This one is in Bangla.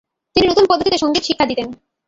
তিনি নতুন পদ্ধতিতে সঙ্গীত শিক্ষা দিতেন ।